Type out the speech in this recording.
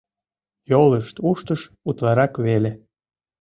Йолышт уштыш утларак веле.